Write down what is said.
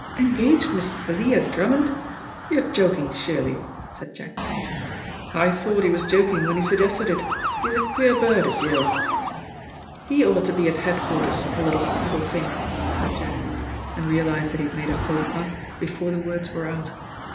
"Engaged Miss Thalia Drummond? You're joking, surely?" said Jack. "I thought he was joking when he suggested it. He's a queer bird, is Yale." "He ought to be at head quarters, a lot of people think," said Jack, and realised that he had made a faux pas before the words were out.